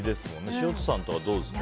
潮田さんとかどうですか？